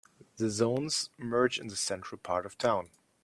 The zones merge in the central part of town.